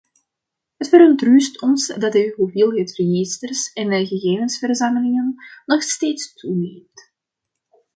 Het verontrust ons dat de hoeveelheid registers en gegevensverzamelingen nog steeds toeneemt.